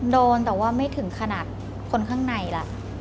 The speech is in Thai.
โดนแต่ว่าไม่ถึงขนาดคนข้างในล่ะ